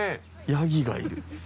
ヤギがいる。